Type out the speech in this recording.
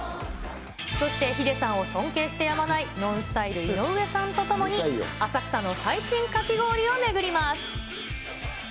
そしてヒデさんを尊敬してやまないＮＯＮＳＴＹＬＥ・井上さんと共に浅草の最新かき氷を巡ります。